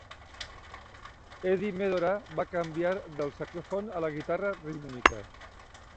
Eddy Medora va canviar del saxòfon a la guitarra rítmica.